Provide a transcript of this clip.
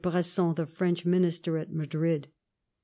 Bresson, the French Minister at Madrid.